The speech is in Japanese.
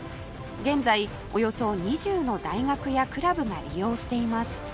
現在およそ２０の大学やクラブが利用しています